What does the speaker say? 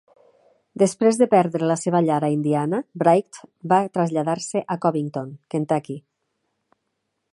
Després de perdre la seva llar a Indiana, Bright va traslladar-se a Covington, Kentucky.